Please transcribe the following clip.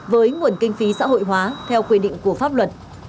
với nguồn kinh phí xã hội hóa theo quy định của pháp luật